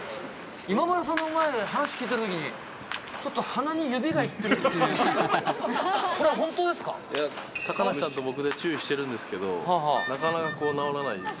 今村さんの前で、話聞いてるときに、ちょっと鼻に指がいってるっいや、高梨さんと僕で注意してるんですけど、なかなか治らない。